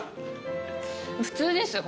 普通ですよ